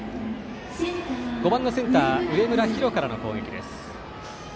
５番のセンター上村陽大からの攻撃です。